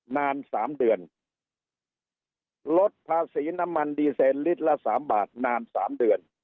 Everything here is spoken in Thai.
นานสามเดือนลดภาษีน้ำมันดีเซนลิตรละสามบาทนานสามเดือน